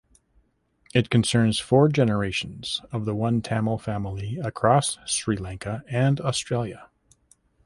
It concerns four generations of the one Tamil family across Sri Lanka and Australia.